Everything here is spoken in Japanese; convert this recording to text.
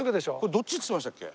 どっちっつってましたっけ？